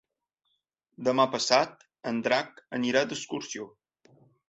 Demà passat en Drac anirà d'excursió.